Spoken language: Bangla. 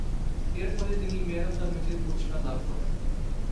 এরফলে তিনি ম্যান অব দ্য ম্যাচের পুরস্কার লাভ করেন।